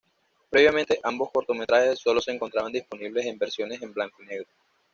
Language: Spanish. Previamente, ambos cortometrajes solo se encontraban disponibles en versiones en blanco y negro.